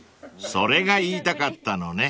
［それが言いたかったのね］